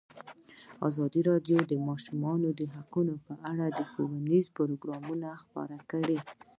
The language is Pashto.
ازادي راډیو د د ماشومانو حقونه په اړه ښوونیز پروګرامونه خپاره کړي.